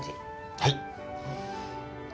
はい。